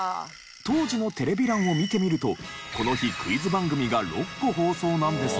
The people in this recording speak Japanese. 当時のテレビ欄を見てみるとこの日クイズ番組が６個放送なんですが。